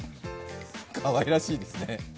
かわいらしいですね。